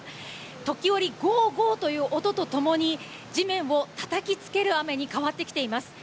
時折、ごーごーという音とともに、地面をたたきつける雨に変わってきています。